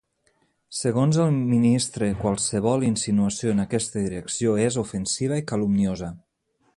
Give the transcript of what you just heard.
Segons el ministre qualsevol insinuació en aquesta direcció ‘és ofensiva’ i ‘calumniosa’.